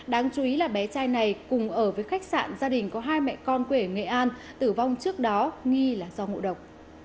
đáng chú ý là bé trai này cùng ở với khách sạn gia đình có hai mẹ con quê ở nghệ an tử vong trước đó nghi là do ngộ độc